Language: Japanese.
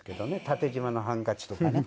縦じまのハンカチとかね。